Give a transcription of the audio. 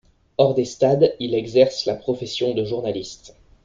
Hors des stades, il exerce la profession de journaliste.